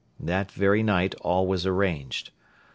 That very night all was arranged.